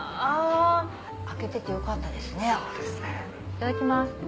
いただきます。